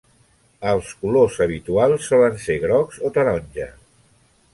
Els colors habituals solen ser grocs o taronja.